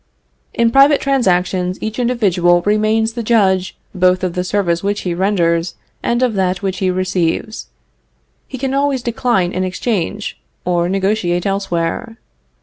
In private transactions each individual remains the judge both of the service which he renders and of that which he receives. He can always decline an exchange, or negotiate elsewhere.